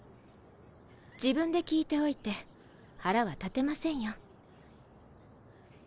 自分で聞いておいて腹は立てませんよ。